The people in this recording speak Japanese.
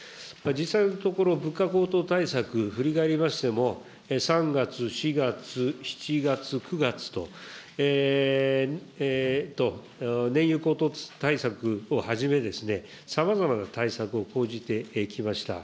実際のところ、物価高騰対策、振り返りましても、３月、４月、７月、９月と、燃油高騰対策をはじめ、さまざまな対策を講じてきました。